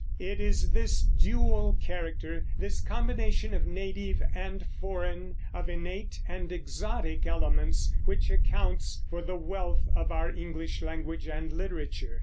It is this dual character, this combination of native and foreign, of innate and exotic elements, which accounts for the wealth of our English language and literature.